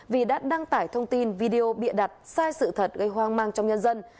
vì đã đăng tải thông tin video bịa đặt sai sự thật gây hoang mang trong nhân dân